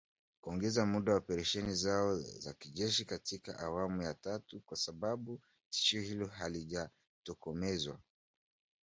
Kuongeza muda wa operesheni zao za kijeshi katika awamu ya tatu, kwa sababu tishio hilo halijatokomezwa.